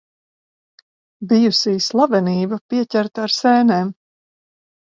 Bijusī slavenība pieķerta ar sēnēm.